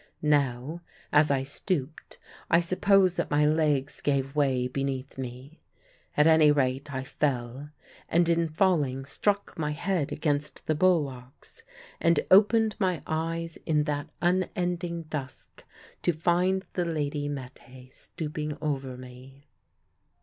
Now as I stooped, I suppose that my legs gave way beneath me. At any rate, I fell; and in falling struck my head against the bulwarks, and opened my eyes in that unending dusk to find the lady Mette stooping over me.